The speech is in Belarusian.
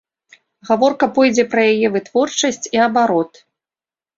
Гаворка пойдзе пра яе вытворчасць і абарот.